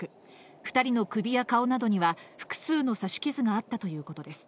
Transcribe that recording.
２人の首や顔などには複数の刺し傷があったということです。